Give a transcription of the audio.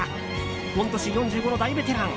御年４５の大ベテラン